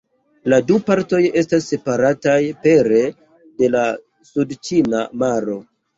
La du partoj estas separataj pere de la Sudĉina Maro.